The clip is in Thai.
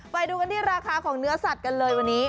ไปดูกันที่ราคาของเนื้อสัตว์กันเลยวันนี้